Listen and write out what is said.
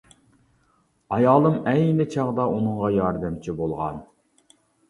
ئايالىم ئەينى چاغدا ئۇنىڭغا ياردەمچى بولغان.